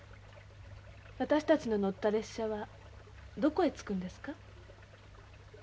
私たちの乗った列車はどこへ着くんですか？